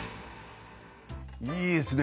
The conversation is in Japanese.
いいですね。